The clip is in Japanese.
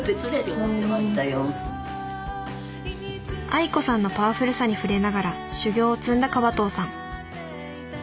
愛子さんのパワフルさに触れながら修業を積んだ河東さん。